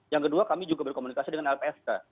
yang kedua kami juga berkomunikasi dengan lpsk